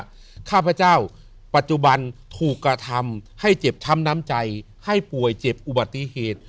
ข้าพเจ้าปัจจุบันถูกกระทำให้เจ็บช้ำน้ำใจให้ป่วยเจ็บอุบัติเหตุ